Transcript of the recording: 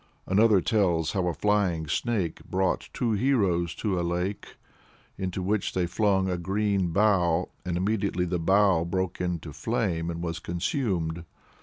Another tells how a flying Snake brought two heroes to a lake, into which they flung a green bough, and immediately the bough broke into flame and was consumed.